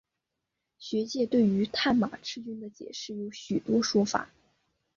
学界对于探马赤军的解释有许多说法。